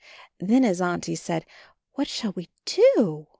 Then his Auntie said, "What shall we do?